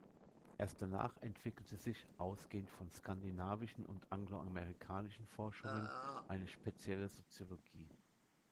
Erst danach entwickelte sich, ausgehend von skandinavischen und angloamerikanischen Forschungen, eine spezielle Soziologie.